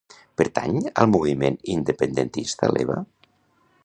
Pertany al moviment independentista l'Eva?